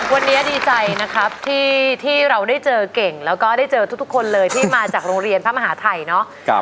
วันนี้ดีใจนะครับที่เราได้เจอเก่งแล้วก็ได้เจอทุกคนเลยที่มาจากโรงเรียนพระมหาทัยเนาะ